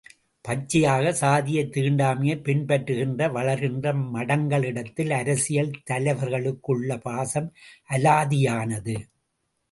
பச்சையாகச் சாதியை தீண்டாமையைப் பின்பற்றுகின்ற வளர்க்கின்ற மடங்களிடத்தில் அரசியல் தலைவர்களுக்குள்ள பாசம் அலாதியானது.